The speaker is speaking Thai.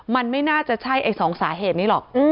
มันไม่น่าจะใช่ไอ้สองสาเหตุนี้หรอก